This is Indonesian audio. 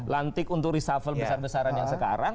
lantik untuk reshuffle besar besaran yang sekarang